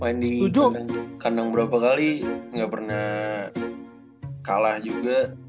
main di kandang berapa kali gak pernah kalah juga